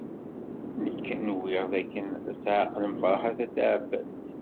Nekk nwiɣ dakken ad tɛeqlem Ferḥat n At Ɛebbas.